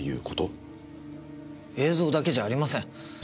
映像だけじゃありません。